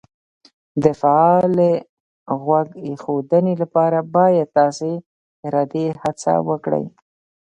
د فعالې غوږ ایښودنې لپاره باید تاسې ارادي هڅه وکړئ